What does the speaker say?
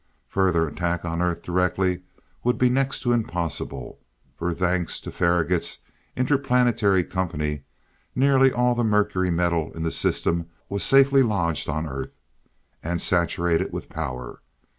Further, attack on Earth directly would be next to impossible, for, thanks to Faragaut's Interplanetary Company, nearly all the mercury metal in the system was safely lodged on Earth, and saturated with power.